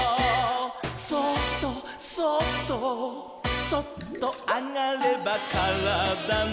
「そっとそっとそっとあがればからだの」